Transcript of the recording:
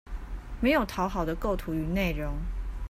沒有討好的構圖與內容